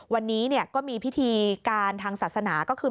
วันนี้ก็มีพิธีการทางศาสนาก็คือ